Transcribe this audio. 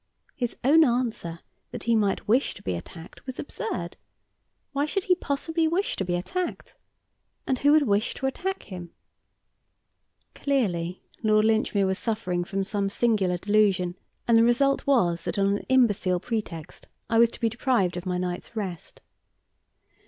His own answer that he might wish to be attacked was absurd. Why should he possibly wish to be attacked? And who would wish to attack him? Clearly, Lord Linchmere was suffering from some singular delusion, and the result was that on an imbecile pretext I was to be deprived of my night's rest.